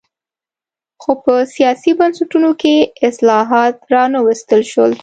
خو په سیاسي بنسټونو کې اصلاحات را نه وستل شول.